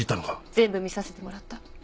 全部見させてもらった。